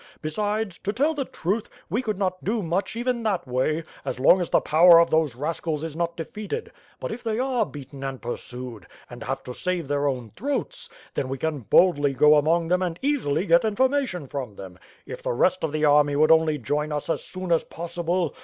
Besides, to tell the truth, we could not do much even that way, as long as the power of those rascals is not defeated; but if they are beaten and pursued, and have to save their own throats, then we can boldly go among them and easily get information from them. If the rest of the army would only join us as soon as possible!